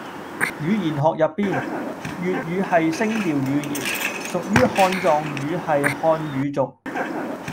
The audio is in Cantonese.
語言學入邊，粵語係聲調語言，屬於漢藏語系漢語族